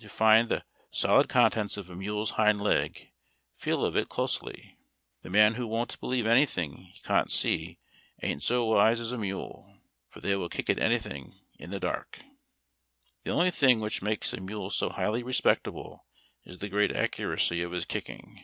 "To find the solid contents of a mule's hind leg, feel of it clussly." " The man who w^ont believe anything he kant see aint so wise az a mule, for they will kick at a thing in the dark." " The only thing which makes a mule so highly respectable is the great accuracy of his kicking."